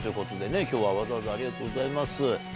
今日はわざわざありがとうございます。